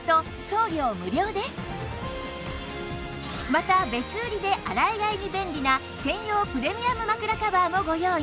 また別売りで洗い替えに便利な専用プレミアム枕カバーもご用意